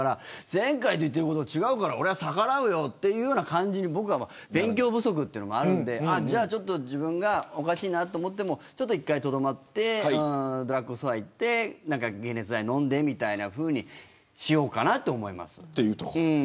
前回と言ってることと違うから逆らうよという感じに僕らは勉強不足というのもあるので自分がおかしいなと思っても１回とどまってドラッグストアに行って解熱剤飲んでみたいなふうにしようかなと思います。